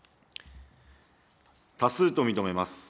多数と認めます。